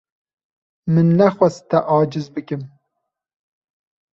Min nexwest te aciz bikim.